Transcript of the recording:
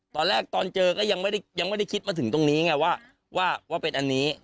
ตอนแรกตอนเจอก็ยังไม่ได้คิดมาถึงตรงนี้ไงว่าเป็นอันนี้